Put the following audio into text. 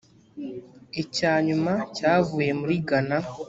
icya nyuma cyavuye muri ghana